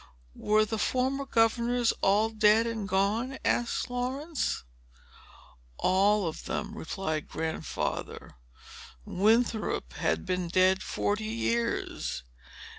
"Were the former governors all dead and gone?" asked Laurence. "All of them," replied Grandfather. "Winthrop had been dead forty years.